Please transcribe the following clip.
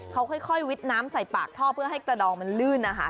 ข้ายวิดน้ำใส่ปากท่อให้กระดองน่ะที่หัก